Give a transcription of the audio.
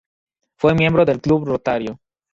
Fue miembro del Club Rotario.